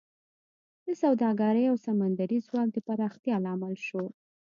د سوداګرۍ او سمندري ځواک د پراختیا لامل شو